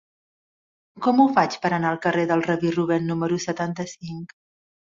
Com ho faig per anar al carrer del Rabí Rubèn número setanta-cinc?